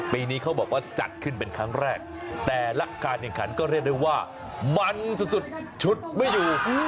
ปีนี้เขาบอกว่าจัดขึ้นเป็นครั้งแรกแต่ละการแข่งขันก็เรียกได้ว่ามันสุดชุดไม่อยู่